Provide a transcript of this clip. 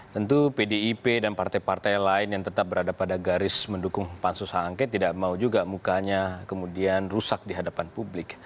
tentu pdip dan partai partai lain yang tetap berada pada garis mendukung pansus h angket tidak mau juga mukanya kemudian rusak di hadapan publik